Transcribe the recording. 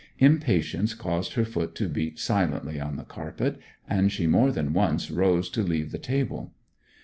Impatience caused her foot to beat silently on the carpet, and she more than once rose to leave the table.